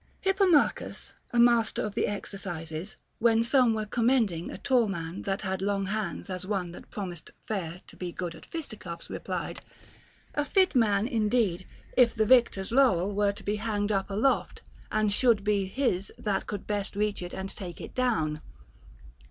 1. Hippomachus, a master of the exercises, when some were commending a tall man that had long hands as one that promised fair to be good at fisticuffs, replied, A fit man indeed, if the victor's laurel were to be hanged up aloft, and should be his that could best reach it and take it down.